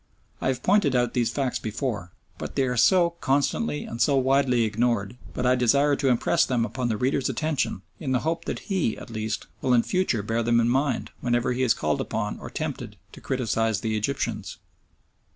I have pointed out these facts before, but they are so constantly and so widely ignored that I desire to impress them upon the reader's attention in the hope that he, at least, will in future bear them in mind whenever he is called upon or tempted to criticise the Egyptians.